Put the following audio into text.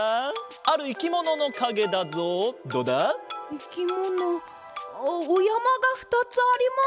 いきものおやまが２つあります。